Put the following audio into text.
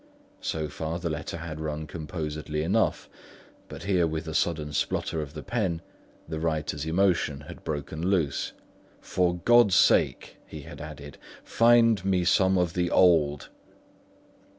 So far the letter had run composedly enough, but here with a sudden splutter of the pen, the writer's emotion had broken loose. "For God's sake," he added, "find me some of the old."